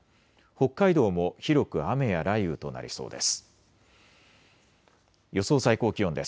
北海道も広く雨や雷雨となりそうです。